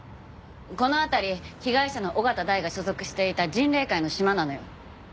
この辺り被害者の緒方大が所属していた迅嶺会のシマなのよ。